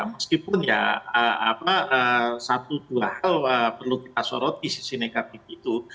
meskipun ya satu dua hal perlu kita soroti sisi negatif itu